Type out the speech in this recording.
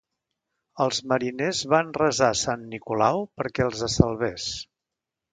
Els mariners van resar a Sant Nicolau perquè els salvés.